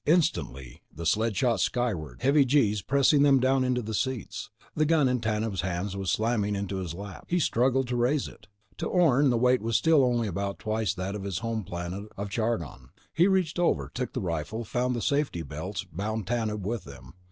Instantly, the sled shot skyward, heavy G's pressing them down into the seats. The gun in Tanub's hands was slammed into his lap. He struggled to raise it. To Orne, the weight was still only about twice that of his home planet of Chargon. He reached over, took the rifle, found safety belts, bound Tanub with them.